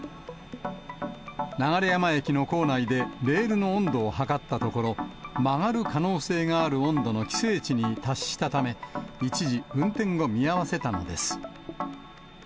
流山駅の構内でレールの温度を測ったところ、曲がる可能性がある温度の規制値に達したため、一時、運転を見合わせたのです。